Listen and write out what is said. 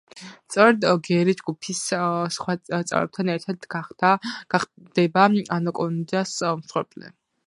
სწორედ გერი, ჯგუფის სხვა წევრებთან ერთად, გახდება ანაკონდას მსხვერპლი.